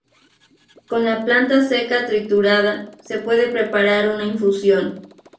Con la planta seca triturada, se puede preparar una infusión.